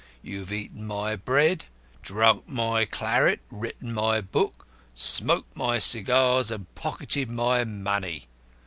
You have eaten my bread, drunk my claret, written my book, smoked my cigars, and pocketed my money.